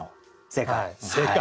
正解？